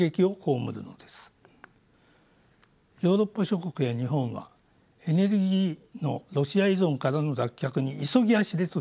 ヨーロッパ諸国や日本はエネルギーのロシア依存からの脱却に急ぎ足で取り組んでいます。